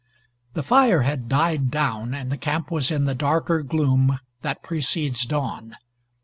The fire had died down and the camp was in the darker gloom that precedes dawn.